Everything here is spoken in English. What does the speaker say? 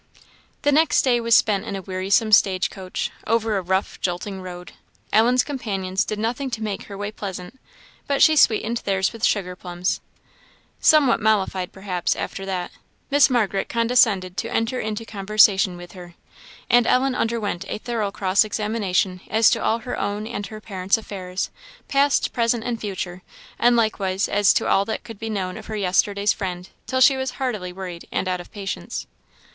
The next day was spent in a wearisome stage coach, over a rough, jolting road. Ellen's companions did nothing to make her way pleasant, but she sweetened theirs with her sugar plums. Somewhat mollified, perhaps, after that, Miss Margaret condescended to enter into conversation with her, and Ellen underwent a thorough cross examination as to all her own and her parents' affairs, past, present, and future; and likewise as to all that could be known of her yesterday's friend, till she was heartily worried, and out of patience.